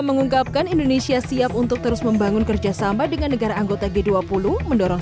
mengungkapkan indonesia siap untuk terus membangun kerjasama dengan negara anggota g dua puluh mendorong